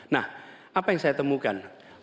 nah apa yang saya temukan